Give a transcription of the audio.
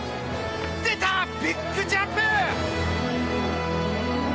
出た、ビッグジャンプ！